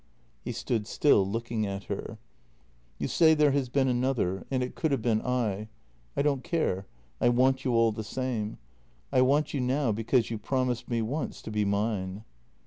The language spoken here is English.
He stood still, looking at her. " You say there has been another — and it could have been I. I don't care; I want you all the same. I want you now because you promised me once to be mine."